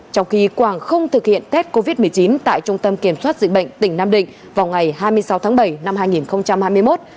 trong khi quảng không thực hiện tết covid một mươi chín tại trung tâm kiểm soát dịch bệnh tỉnh nam định vào ngày hai mươi sáu tháng bảy năm hai nghìn hai mươi một